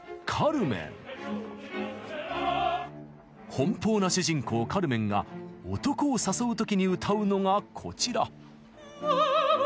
奔放な主人公カルメンが男を誘う時に歌うのがこちら。